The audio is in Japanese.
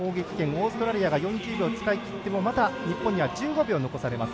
オーストラリアが４０秒使い切ってもまだ、日本には１５秒残されます。